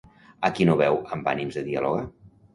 A qui no veu amb ànims de dialogar?